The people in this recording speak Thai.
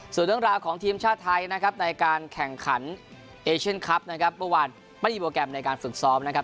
ส่วนเรื่องราวของทีมชาติไทยนะครับในการแข่งขันเอเชียนคลับนะครับเมื่อวานไม่มีโปรแกรมในการฝึกซ้อมนะครับ